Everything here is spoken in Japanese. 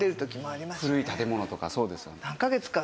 古い建物とかそうですよね。